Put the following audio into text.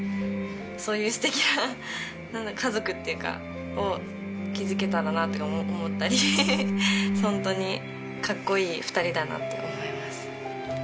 そういう素敵な家族っていうかを築けたらなとか思ったりホントにかっこいい２人だなと思います。